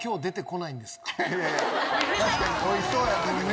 確かにおいしそうやったけどね。